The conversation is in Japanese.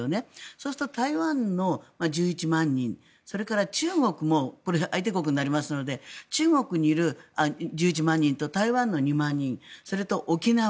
そうすると台湾の１１万人それから中国も相手国になりますので中国にいる、１１万人と台湾の２万人それと沖縄。